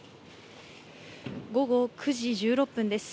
午後９時１６分です。